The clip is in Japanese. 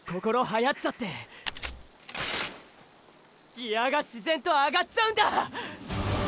ギアが自然と上がっちゃうんだ！